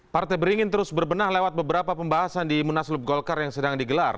partai beringin terus berbenah lewat beberapa pembahasan di munaslup golkar yang sedang digelar